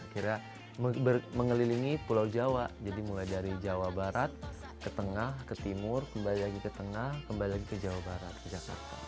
akhirnya mengelilingi pulau jawa jadi mulai dari jawa barat ke tengah ke timur kembali lagi ke tengah kembali lagi ke jawa barat ke jakarta